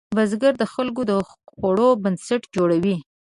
بزګر د خلکو د خوړو بنسټ جوړوي